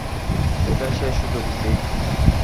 এটাই শেষ সুযোগ, সিক্স।